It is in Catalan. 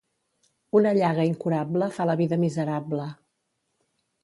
Una llaga incurable fa la vida miserable.